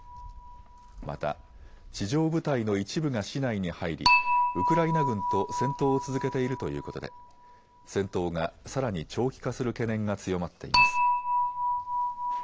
また、地上部隊の一部が市内に入りウクライナ軍と戦闘を続けているということで戦闘がさらに長期化する懸念が強まっています。